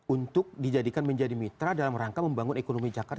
untuk dijadikan menjadi mitra dalam rangka membangun ekonomi jakarta